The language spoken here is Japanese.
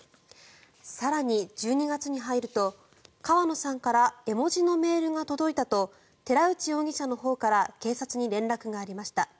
更に、１２月に入ると川野さんから絵文字のメールが届いたと寺内容疑者から警察に連絡がありました。